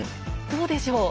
どうでしょう？